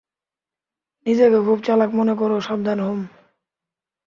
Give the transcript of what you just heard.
নিজেকে খুব চালাক মনে করো সাবধান হূম?